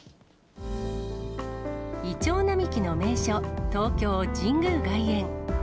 イチョウ並木の名所、東京・神宮外苑。